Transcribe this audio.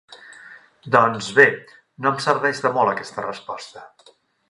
Doncs, bé, no em serveix de molt aquesta resposta.